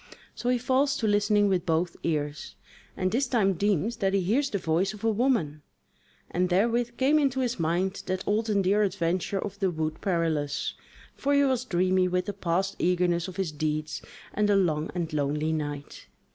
So he falls to listening with both ears, and this time deems that he hears the voice of a woman: and therewith came into his mind that old and dear adventure of the Wood Perilous; for he was dreamy with the past eagerness of his deeds, and the long and lonely night.